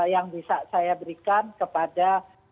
yang bisa saya berikan kepada